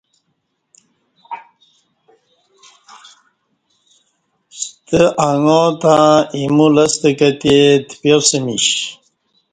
ستہ اݣا تہ ایمو لستہ کتے تپیاسمیش